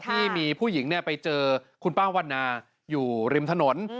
ที่มีผู้หญิงไปเจอคุณป้าวันนาอยู่ริมถนน